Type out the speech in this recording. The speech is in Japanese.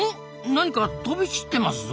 何か飛び散ってますぞ。